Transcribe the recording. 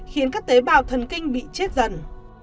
khiến các tế bào thần kinh bị chết dần